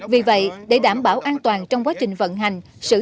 vì vậy để đảm bảo an toàn trong quá trình vận hành